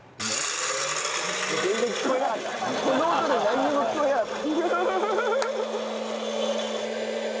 この音でなんにも聞こえなかった。